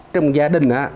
trong gia đình á